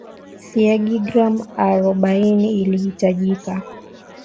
siagi gram arobaini itahitajika